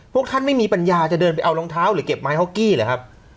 พวกท่านไม่มีปัญญาจะเดินไปเอารองเท้าหรือเก็บไม้ฮอกกี้หรือครับ